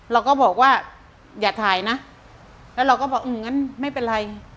เราก็บอกว่าอย่าถ่ายนะแล้วเราก็บอกอืมงั้นไม่เป็นไร